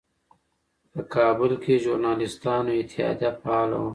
په کابل کې ژورنالېستانو اتحادیه فعاله وه.